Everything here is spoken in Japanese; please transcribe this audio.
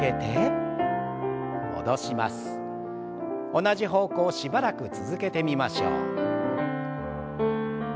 同じ方向しばらく続けてみましょう。